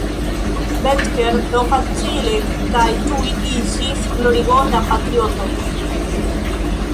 Becker do facile kaj tuj iĝis glorigota patrioto.